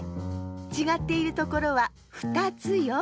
ちがっているところは２つよ。